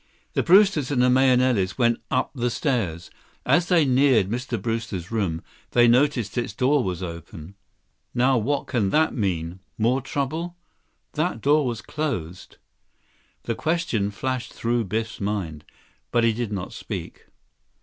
The Brewsters and the Mahenilis went up the stairs. As they neared Mr. Brewster's room, they noticed its door was open. "Now what can that mean? More trouble? That door was closed." The question flashed through Biff's mind, but he did not speak.